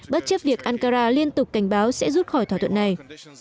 bất chấp việc ankara liên tục cảnh báo sẽ rút khỏi thỏa thuận này